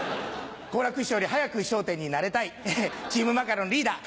好楽師匠より早く『笑点』に慣れたいチームマカロンリーダー